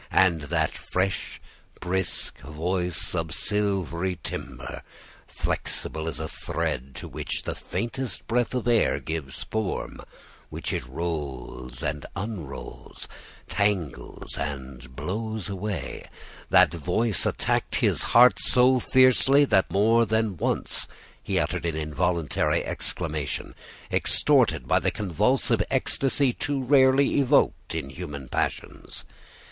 And that fresh, brisk voice of silvery timbre, flexible as a thread to which the faintest breath of air gives form, which it rolls and unrolls, tangles and blows away, that voice attacked his heart so fiercely that he more than once uttered an involuntary exclamation, extorted by the convulsive ecstasy too rarely evoked by human passions.